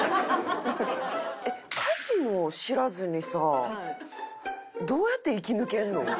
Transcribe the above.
カジノを知らずにさどうやって生き抜けるの？